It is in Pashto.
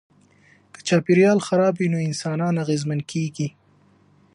که چاپیریال خراب وي نو انسانان اغېزمن کیږي.